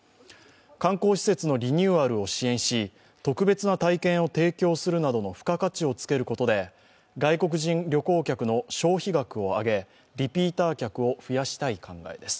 観光施設のリニューアルを支援し特別な体験を提供するなどの付加価値を付けることで外国人旅行客の消費額を上げリピーター客を増やしたい考えです。